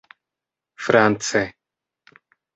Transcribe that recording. france